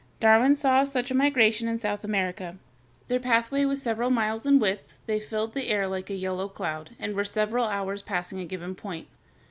Darwin saw such a migration in South America. Their pathway was several miles in width, they filled the air like a yellow cloud, and were several hours passing a given point.